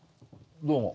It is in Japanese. どうも。